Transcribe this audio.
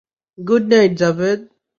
Good night, Javed.